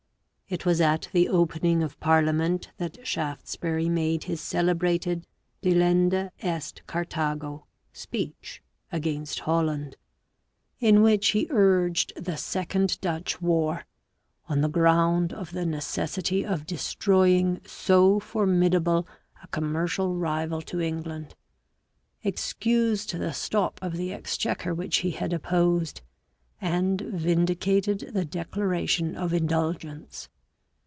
It was at the opening of parliament that Shaftesbury made his celebrated " delenda est Carthago" speech against Holland, in which he urged the Second Dutch War, on the ground of the necessity of destroying so formidable a commercial rival to England, excused the Stop of the Exchequer which he had opposed, and vindicated the Declaration of Indulg ence.